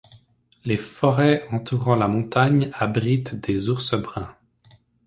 Les forêts entourant la montagne abritent des ours bruns.